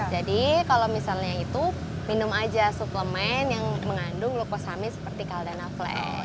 jadi kalau misalnya itu minum aja suplemen yang mengandung glukosamin seperti caldana flex